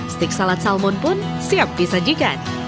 stik salad salmon pun siap disajikan